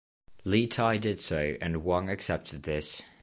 Li Tai did so, and Wang accepted this.